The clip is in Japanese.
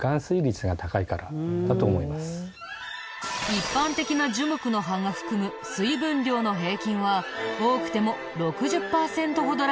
一般的な樹木の葉が含む水分量の平均は多くても６０パーセントほどらしいんだけど。